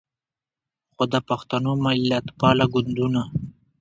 خو د پښتنو ملتپاله ګوندونو